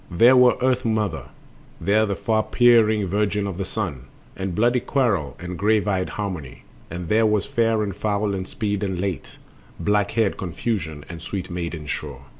There was Earth mother, There the far peering Virgin of the Sun, And bloody Quarrel and grave eyed Harmony, And there was Fair and Foul and Speed and Late, Black haired Confusion and sweet maiden Sure.